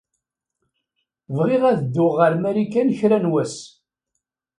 Bɣiɣ ad dduɣ ɣer Marikan kra n wass.